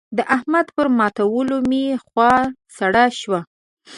د احمد پر ماتولو مې خوا سړه شوه.